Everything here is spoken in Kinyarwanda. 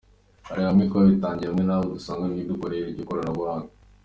Hari bamwe twabitangiye hari n’abo twari dusanzwe dukoresha iryo koranabuhanga.